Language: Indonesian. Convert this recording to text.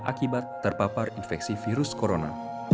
akibat terpapar infeksi virus corona